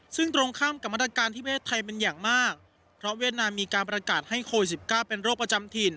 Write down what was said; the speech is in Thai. ซึ่งตรงข้ามกับมาตรการที่ประเทศไทยเป็นอย่างมากเพราะเวียดนามมีการประกาศให้โควิด๑๙เป็นโรคประจำถิ่น